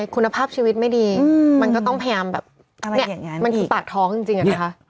คุณภาพชีวิตไม่ดีมันก็ต้องพยายามแบบเนี่ยมันคือปากท้องจริงอะนะคะ